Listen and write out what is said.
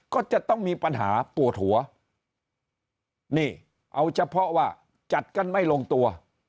ก็จะต้องมีปัญหาปวดหัวนี่เอาเฉพาะว่าจัดกันไม่ลงตัว